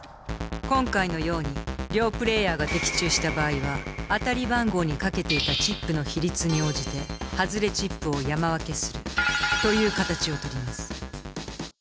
今回のように両プレーヤーが的中した場合は当たり番号に賭けていたチップの比率に応じて外れチップを山分けするという形を取ります。